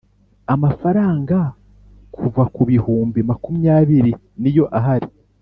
amafaranga kuva ku bihumbi makumyabiri niyo ahari